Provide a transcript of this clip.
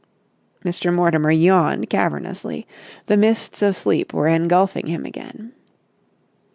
Mr. Mortimer yawned cavernously. The mists of sleep were engulfing him again.